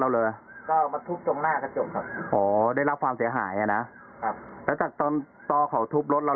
แล้วเขาก็เดินโฟดเตี้ยงอยู่หน้ารถนะครับ